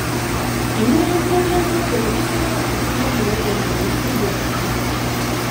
Emirandira gya muwogo tegisobola kuvaamu muwogo ng'ogisimbye mu ttaka.